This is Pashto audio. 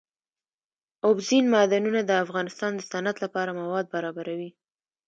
اوبزین معدنونه د افغانستان د صنعت لپاره مواد برابروي.